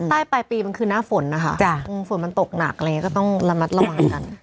ใต้ปลายปีมันคือหน้าฝนนะคะฝนมันตกหนักอะไรอย่างนี้ก็ต้องระมัดระวังกัน